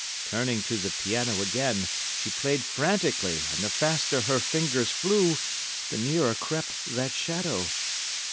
Turning to the piano again, she played frantically, and the faster her fingers flew, the nearer crept that shadow.